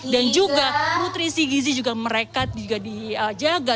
dan juga nutrisi gizi juga mereka juga dijaga